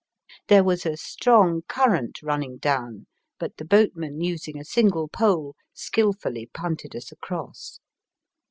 There was a strong current running down, but the boatman using a single pole skilfully punted us across.